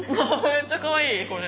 めっちゃかわいいこれ。